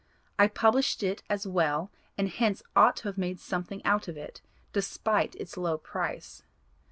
I published it as well and hence ought to have made something out of it despite its low price.